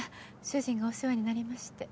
主人がお世話になりまして。